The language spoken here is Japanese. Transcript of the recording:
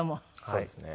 そうですね。